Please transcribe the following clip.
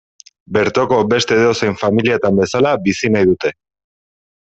Bertoko beste edozein familiatan bezala bizi nahi dute.